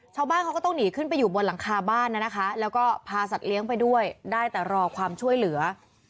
ชาวบ้านเขาก็ต้องหนีขึ้นไปอยู่บนหลังคาบ้านนะคะแล้วก็พาสัตว์เลี้ยงไปด้วยได้แต่รอความช่วยเหลือ